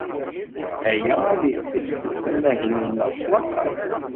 Aya ad yessifses amahil-nneɣ s waṭas.